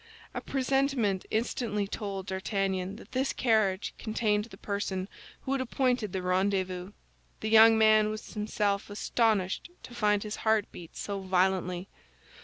A presentiment instantly told D'Artagnan that this carriage contained the person who had appointed the rendezvous; the young man was himself astonished to find his heart beat so violently.